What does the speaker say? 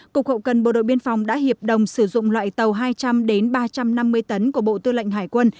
cục hậu cần bộ đội biên phòng đã hiệp đồng sử dụng loại tàu hai trăm linh ba trăm năm mươi tấn của bộ tư lệnh hải quân